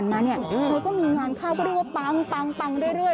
แล้วก็มีงานข้าวก็เรียกว่าปังได้เรื่อย